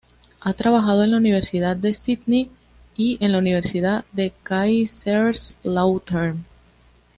Ha trabajado en la Universidad de Sídney y en la Universidad Kaiserslautern.